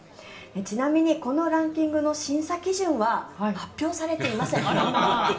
ちなみにこのランキングの審査基準は発表されていません。